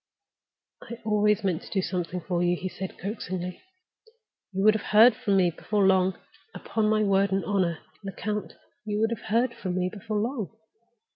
"I always meant to do something for you," he said, coaxingly. "You would have heard from me before long. Upon my word and honor, Lecount, you would have heard from me before long!"